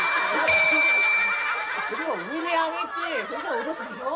それを上に上げてそれから落とすでしょ。